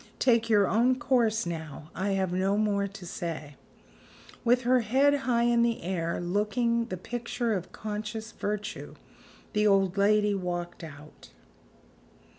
Take your own course now; I have no more to say." With her head high in the air looking the picture of conscious virtue the old lady walked out.